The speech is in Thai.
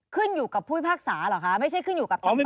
ขึ้นอยู่กับผู้ภาคศาหรือหรือคะไม่ใช่ขึ้นอยู่กับชั้นต่าง